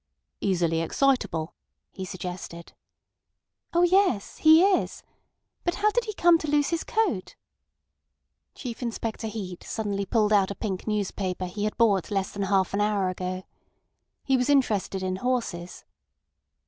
"Easily excitable?" he suggested. "Oh yes. He is. But how did he come to lose his coat—" Chief Inspector Heat suddenly pulled out a pink newspaper he had bought less than half an hour ago. He was interested in horses.